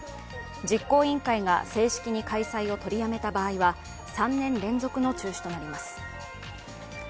実行委員会が正式に開催を取りやめた場合は、３年連続の中止となります。